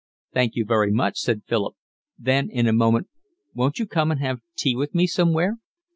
"Thank you very much," said Philip, then in a moment: "Won't you come and have tea with me somewhere?"